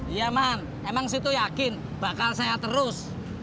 iya man emang situ yakin bakal sehat terus